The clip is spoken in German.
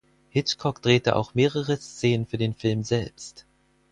Hitchcock drehte auch mehrere Szenen für den Film selbst.